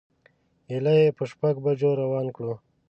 ایله یې په شپږو بجو روان کړو.